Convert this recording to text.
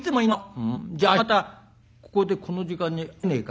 「うんじゃあ明日またここでこの時間に会えねえか？」。